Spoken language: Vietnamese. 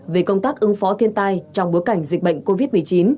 về công tác ứng phó thiên tai trong bối cảnh dịch bệnh covid một mươi chín